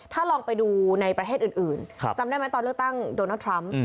ถ้าลองไปดูในประเทศอื่นจำได้ไหมตอนเลือกตั้งโดนัลดทรัมป์